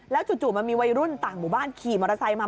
จู่มันมีวัยรุ่นต่างหมู่บ้านขี่มอเตอร์ไซค์มา